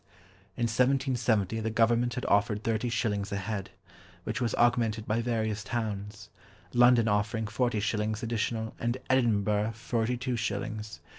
In 1770 the Government had offered thirty shillings a head, which was augmented by various towns; London offering forty shillings additional, and Edinburgh forty two shillings.